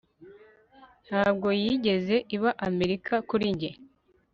ntabwo yigeze iba amerika kuri njye